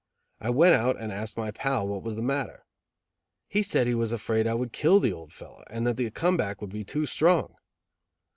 I went out and asked my pal what was the matter. He said he was afraid I would kill the old fellow, and that the come back would be too strong.